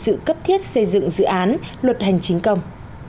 sự cấp thiết xây dựng dự án luật hành chính công